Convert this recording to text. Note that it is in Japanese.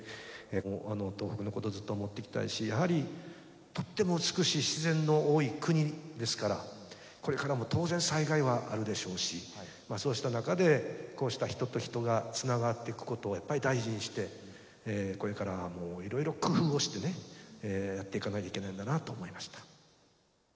あの東北のことずっと思っていきたいしやはりとっても美しい自然の多い国ですからこれからも当然災害はあるでしょうしそうしたなかでこうした人と人がつながっていくことをやっぱり大事にしてこれからもいろいろ工夫をしてねやっていかなきゃいけないんだなと思いました。